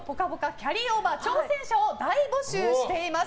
キャリーオーバー挑戦者を大募集しています。